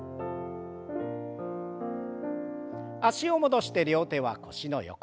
脚を戻して両手は腰の横。